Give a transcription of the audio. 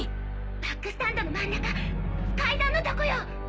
バックスタンドの真ん中階段のトコよ！